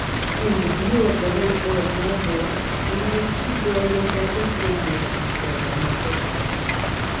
In the vi^w of the late Lord Nelvil, she was too brilliant and distinguished for domestic life.